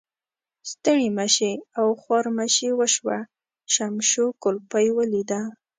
ستړي مشي او خوارمشي وشوه، شمشو کولپۍ ولیده.